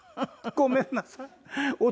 ごめんなさい」